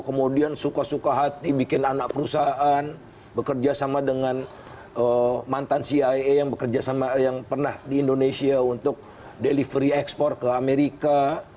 kemudian suka suka hati bikin anak perusahaan bekerja sama dengan mantan cia yang pernah di indonesia untuk delivery export ke amerika